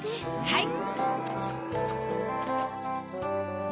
はい。